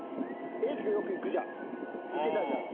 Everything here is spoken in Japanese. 英二君よく行くじゃん。